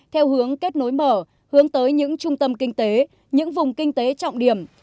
theo hướng kết nối mở hướng tới những trung tâm kinh tế những vùng kinh tế trọng điểm